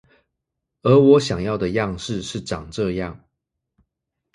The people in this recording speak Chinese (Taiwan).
而我想要的樣式是長這樣